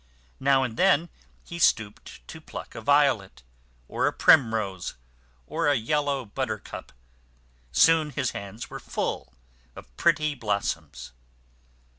Now and then he stooped to pluck a violet, or a primrose, or a yellow but ter cup. Soon his hands were full of pretty blossoms.